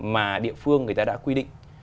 mà địa phương người ta đã quy định